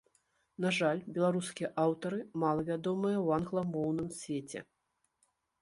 На жаль, беларускія аўтары мала вядомыя ў англамоўным свеце.